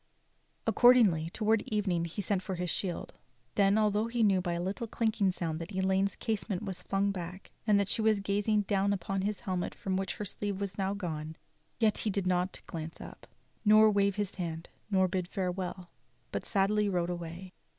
Accordingly, towards evening, he sent for his shield; then, although he knew by a little clinking sound that Elaine's casement was flung back, and that she was gazing down upon his helmet from which her sleeve was now gone, yet he did not glance up, nor wave his hand, nor bid farewell, but sadly rode away.